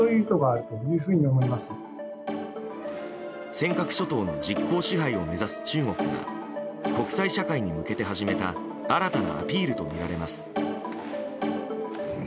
尖閣諸島の実効支配を目指す中国が国際社会に向けて始めた新たなアピールとみられます。